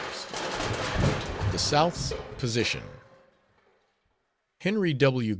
5 The SOUTH'S POSITION Henry W.